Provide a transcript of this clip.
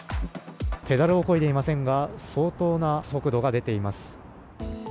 ペダルをこいでいませんが相当な速度が出ています。